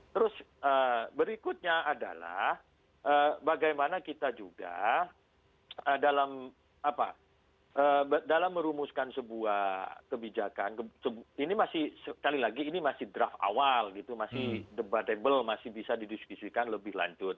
terus berikutnya adalah bagaimana kita juga dalam merumuskan sebuah kebijakan ini masih draft awal masih debatable masih bisa didiskusikan lebih lanjut